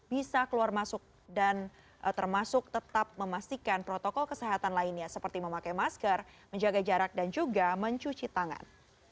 bisa keluar masuk dan termasuk tetap memastikan protokol kesehatan lainnya seperti memakai masker menjaga jarak dan juga mencuci tangan